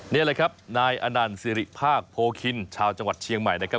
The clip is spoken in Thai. นี่แหละครับนายอนันต์สิริภาคโพคินชาวจังหวัดเชียงใหม่นะครับ